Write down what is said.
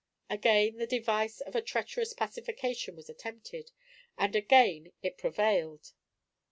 Again the device of a treacherous pacification was attempted, and again it prevailed.